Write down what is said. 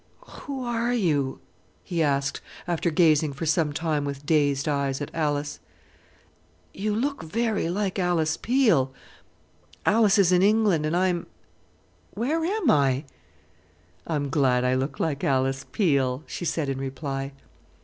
"Who are you?" he asked, after gazing for some time with dazed eyes at Alice. "You look very like Alice Peel. Alice is in England, and I am where am I?" "I'm glad I look like Alice Peel," she said in reply.